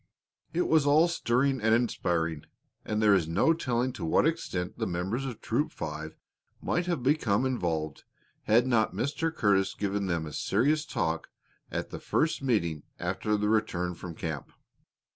It was all stirring and inspiring, and there is no telling to what extent the members of Troop Five might have become involved had not Mr. Curtis given them a serious talk at the first meeting after their return from camp.